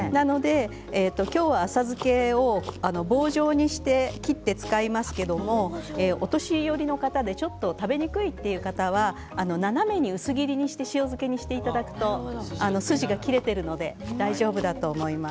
今日は浅漬けを棒状にして切って使いますけれどもお年寄りの方で、ちょっと食べにくいという方は斜めに薄切りにして塩漬けにしていただくと筋が切れているので大丈夫だと思います。